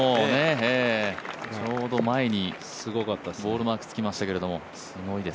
ちょうど前にボールマークつきましたけど、すごいです。